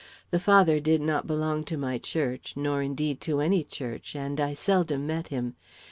The father did not belong to my church nor, indeed, to any church and I seldom met him.